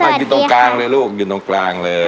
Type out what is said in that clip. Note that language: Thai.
อยู่ตรงกลางเลยลูกอยู่ตรงกลางเลย